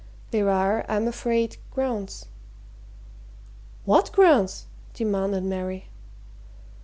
There are, I'm afraid, grounds." "What grounds?" demanded Mary.